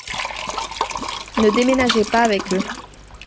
Ne déménagez pas avec eux.